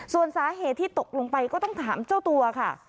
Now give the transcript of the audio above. ส่วนสาเหตุที่ตกลงไปก็ต้องถามเจ้าตัวค่ะ